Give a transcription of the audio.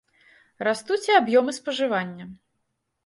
Растуць і аб'ёмы спажывання.